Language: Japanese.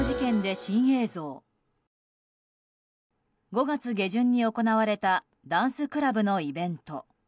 ５月下旬に行われたダンスクラブのイベント。